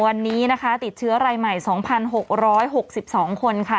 วันนี้นะคะติดเชื้อรายใหม่๒๖๖๒คนค่ะ